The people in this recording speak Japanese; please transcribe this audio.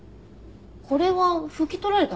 これは拭き取られた跡？